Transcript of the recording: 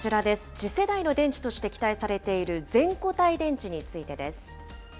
次世代の電池として期待されている全固体電池についてです。